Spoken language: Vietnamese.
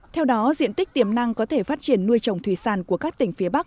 theo đó diện tích tiềm năng có thể phát triển nuôi trồng thủy sản của các tỉnh phía bắc